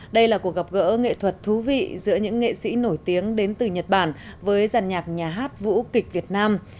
đây là cuộc gặp gỡ nghệ thuật thú vị giữa những nghệ sĩ nổi tiếng đến từ nhật bản với giàn nhạc nhà hát vũ kịch việt nam